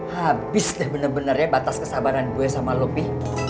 habis deh bener bener ya batas kesabaran gue sama lobby